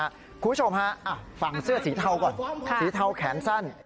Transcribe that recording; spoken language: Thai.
คุณผู้ชมฮะฝั่งเสื้อสีเทาก่อนสีเทาแขนสั้น